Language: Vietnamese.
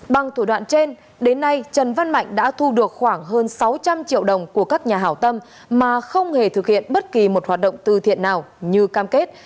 bằng thủ đoạn trên đến nay trần văn mạnh đã thu được khoảng hơn sáu trăm linh triệu đồng của các nhà hảo tâm mà không hề thực hiện bất kỳ một hoạt động từ thiện nào như cam kết